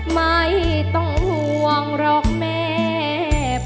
ไม่ต้องห่วงหรอกแม่